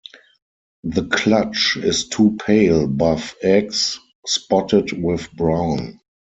The clutch is two pale buff eggs, spotted with brown.